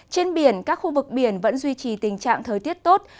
trên biển các khu vực biển vẫn duy trì tình trạng thời tiết tốt